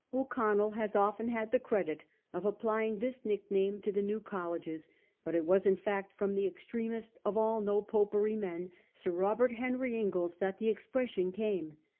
O'Connell has often had the credit of applying this nickname to the new colleges ; but it was in fact from the extremest of all no popery men, Sir Robert Harry Inglis, that the expression came.